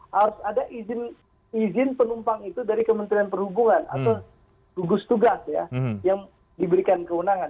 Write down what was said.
harus ada izin penumpang itu dari kementerian perhubungan atau gugus tugas ya yang diberikan kewenangan